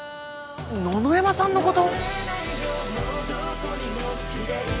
野々山さんのこと？